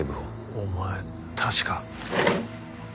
お前確か。